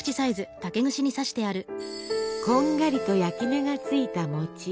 こんがりと焼き目がついた餅。